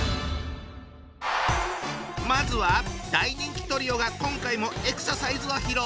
まずは大人気トリオが今回もエクササイズを披露。